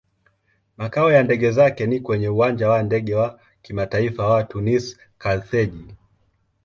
Makao ya ndege zake ni kwenye Uwanja wa Ndege wa Kimataifa wa Tunis-Carthage.